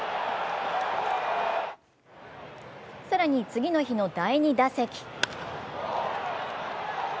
更に次の日の第２打席。